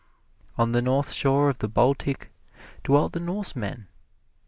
On the north shore of the Baltic dwelt the Norsemen.